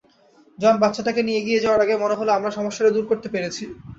জন বাচ্চাটাকে নিয়ে এগিয়ে যাওয়ার আগে, মনে হল আমরা সমস্যাটা দূর করতে পেরেছি।